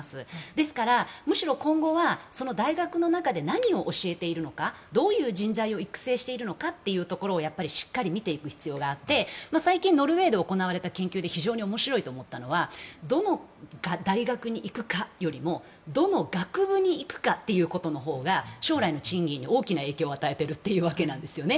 ですから、むしろ今後は大学の中で何を教えているのかどういう人材を育成しているのかというところをやっぱりしっかり見ていく必要があって最近、ノルウェーで行われた研究で非常に面白いと思ったのはどの大学に行くかよりもどの学部に行くかということのほうが将来の賃金に大きな影響を与えているというわけなんですね。